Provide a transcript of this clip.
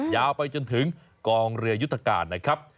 ยาวไปจนถึงกองเรือยุทธการนะครับ